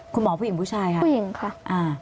คุณหมอผู้หญิงผู้ชายค่ะคุณหมอผู้หญิงค่ะ